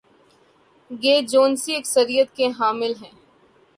گے جو سنی اکثریت کے حامل ہیں؟